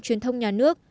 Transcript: truyền thông nhà nước